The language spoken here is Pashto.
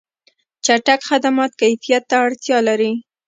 چټک خدمات کیفیت ته اړتیا لري.